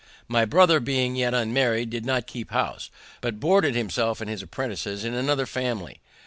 My brother, being yet unmarried, did not keep house, but boarded himself and his apprentices in another family.